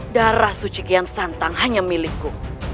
darah suci kian santang hanya milikku